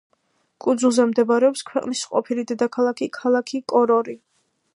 კუნძულზე მდებარეობს ქვეყნის ყოფილი დედაქალაქი, ქალაქი კორორი.